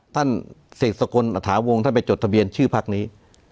ท่านเสกสกลอาถาวงศ์ท่านไปจดทะเบียนชื่อภักดิ์นี้